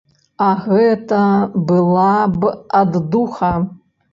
А гэта была б аддуха.